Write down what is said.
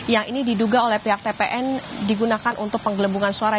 yang ini diduga oleh pihak tpn digunakan untuk penggelembungan suara